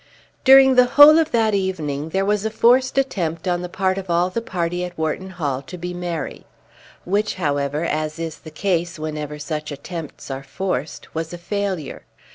During the whole of that evening there was a forced attempt on the part of all the party at Wharton Hall to be merry, which, however, as is the case whenever such attempts are forced, was a failure.